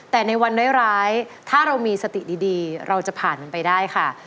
แต่ในวันร้ายถ้าเรามีสติดีเราจะผ่านมันไปได้ค่ะ